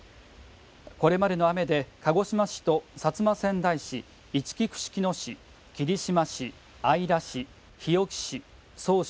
これまでの雨で鹿児島市と薩摩川内市いちき串木野市、霧島市姶良市、日置市、曽於市